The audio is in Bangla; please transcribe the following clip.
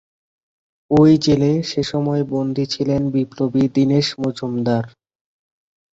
ওই জেলে সেসময় বন্দি ছিলেন বিপ্লবী দীনেশ মজুমদার।